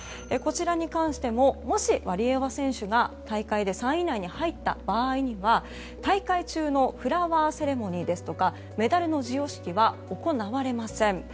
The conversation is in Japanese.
こちらに関してももしワリエワ選手が大会で３位以内に入った場合には大会中のフラワーセレモニーですとかメダルの授与式は行われません。